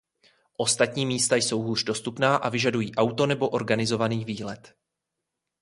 Ostatní místa jsou hůř dostupná a vyžadují auto nebo organizovaný výlet.